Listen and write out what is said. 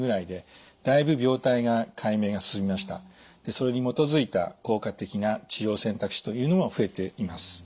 それに基づいた効果的な治療選択肢というのも増えています。